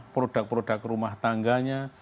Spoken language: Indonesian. produk produk rumah tangganya